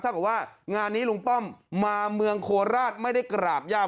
กับว่างานนี้ลุงป้อมมาเมืองโคราชไม่ได้กราบย่า